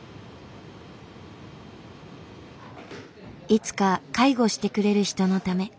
いつか介護してくれる人のため。